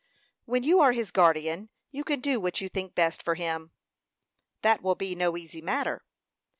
"When you are his guardian, you can do what you think best for him." "That will be no easy matter."